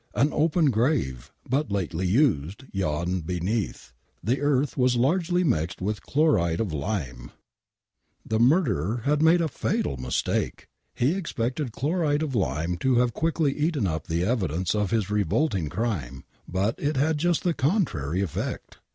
An open grave, but lately used, yawned beneath !! The earth was largely mixed with chloride of lime ! The murderer had made a fatal mistake ! He expected .thloride of lime to have quickly eaten up the evidence of his revolting crime, but it had just the contrary effect